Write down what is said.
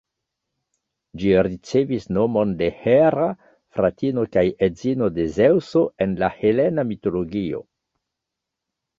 Ĝi ricevis nomon de Hera, fratino kaj edzino de Zeŭso en la helena mitologio.